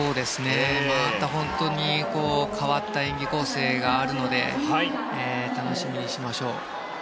あとは本当に変わった演技構成があるので楽しみにしましょう。